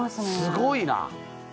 すごいな。